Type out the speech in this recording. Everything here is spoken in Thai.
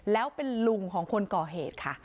แล้วเป็นลุงของคนก่อเหตุค่ะ